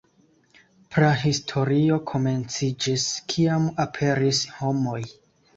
Prahistorio komenciĝis, kiam "aperis" homoj.